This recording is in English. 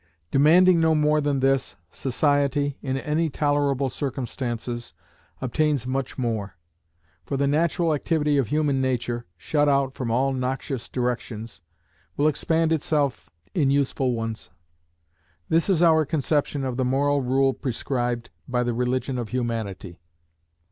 Demanding no more than this, society, in any tolerable circumstances, obtains much more; for the natural activity of human nature, shut out from all noxious directions, will expand itself in useful ones. This is our conception of the moral rule prescribed by the religion of Humanity.